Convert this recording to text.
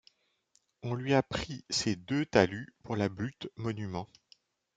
On lui a pris ses deux talus pour la butte-monument.